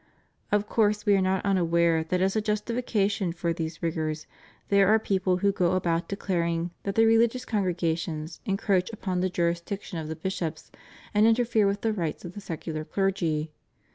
Of course We are not unaware that as a justification for these rigors there are people who go about declaring that the religious congregations encroach upon the juris diction of the bishops and interfere with the rights of the secular clergy.